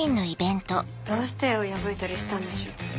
どうして絵を破いたりしたんでしょう？